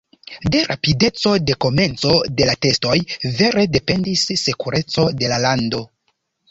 De rapideco de komenco de la testoj vere dependis sekureco de la lando.